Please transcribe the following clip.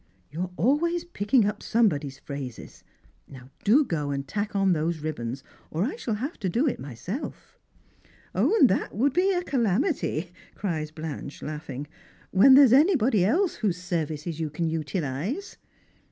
You are always picking up somebody's phrases. Do go and tack on those ribbons, or I shall have to do it myself." "And that would be a calamity," cries Blanche, laughing, "when there is anybody else whose services you can utilise